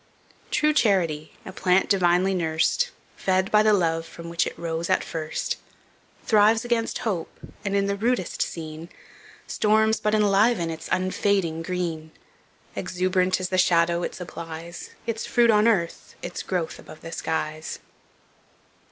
True Charity, a plant divinely nursed, Fed by the love from which it rose at first, Thrives against hope, and, in the rudest scene, Storms but enliven its unfading green; Exub'rant is the shadow it supplies, Its fruit on earth, its growth above the skies.